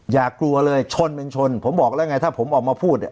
อย่ากลัวเลยชนเป็นชนผมบอกแล้วไงถ้าผมออกมาพูดเนี่ย